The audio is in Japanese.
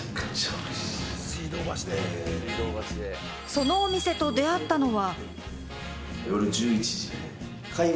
そのお店と出会ったのは。